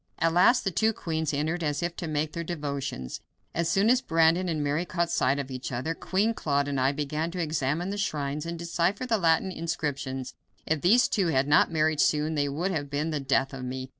At last the two queens entered as if to make their devotions. As soon as Brandon and Mary caught sight of each other, Queen Claude and I began to examine the shrines and decipher the Latin inscriptions. If these two had not married soon they would have been the death of me.